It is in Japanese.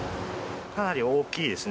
かなり大きいですね。